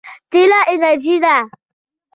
تېل انرژي ده.